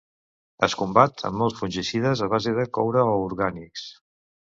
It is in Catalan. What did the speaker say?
Es combat amb molts fungicides a base de coure o orgànics.